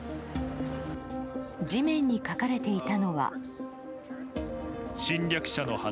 地面に描かれていたのは。